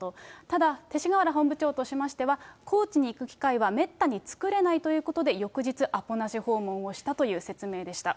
ただ、勅使河原本部長としましては、高知に行く機会はめったに作れないということで、翌日アポなし訪問をしたという説明でした。